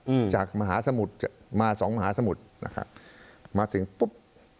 อืมจากมหาสมุทรมาสองมหาสมุทรนะครับมาถึงปุ๊บ